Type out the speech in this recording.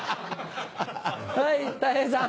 はいたい平さん。